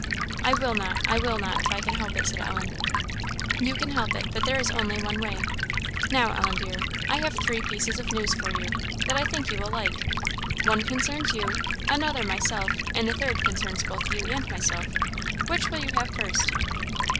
"I will not, I will not, if I can help it," said Ellen. "You can help it; but there is only one way. Now, Ellen, dear, I have three pieces of news for you, that I think you will like. One concerns you, another myself, and the third concerns both you and myself. Which will you have first?"